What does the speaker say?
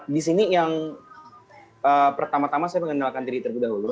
di sini yang pertama tama saya mengenalkan diri terlebih dahulu